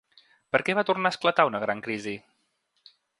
Per què va tornar a esclatar una gran crisi?